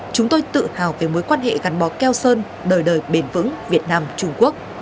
chúng tôi tự hào về mối quan hệ gắn bó keo sơn đời đời bền vững việt nam trung quốc